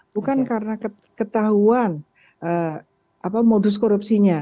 bukan karena ketahuan modus korupsinya